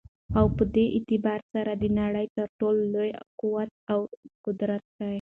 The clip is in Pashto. او په دي اعتبار سره دنړۍ تر ټولو لوى قوت او قدرت دى